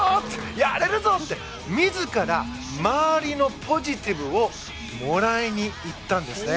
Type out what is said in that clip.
やれるぞ！って自ら周りのポジティブをもらいにいったんですね。